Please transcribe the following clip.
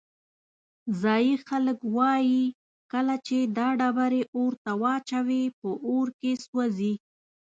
ځایی خلک وایي کله چې دا ډبرې اور ته واچوې په اور کې سوځي.